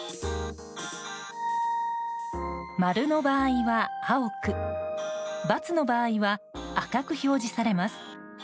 〇の場合は青く×の場合は赤く表示されます。